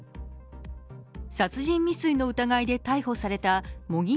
殺人未遂の疑いで逮捕された茂木